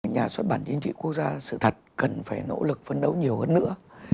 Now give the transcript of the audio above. nhà xuất bản chính trị quốc gia sự thật cần phải nỗ lực phấn đấu nhiều hơn nữa